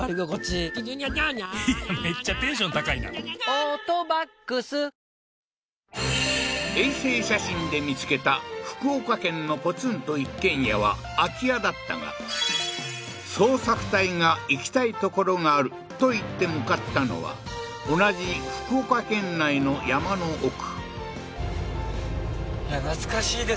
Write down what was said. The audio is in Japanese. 花王衛星写真で見つけた福岡県のポツンと一軒家は空き家だったが捜索隊が行きたい所があるといって向かったのは同じ福岡県内の山の奥